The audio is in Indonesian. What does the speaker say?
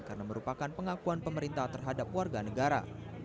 karena merupakan pengakuan pemerintah terhadap warga negara